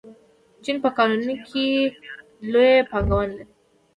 چین په کانونو کې لویه پانګونه لري.